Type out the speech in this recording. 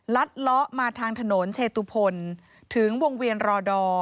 ลัดล้อมาทางถนนเชตุพลถึงวงเวียนรอดอ